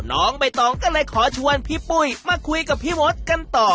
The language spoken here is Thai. น้องใบตองก็เลยขอชวนพี่ปุ้ยมาคุยกับพี่มดกันต่อ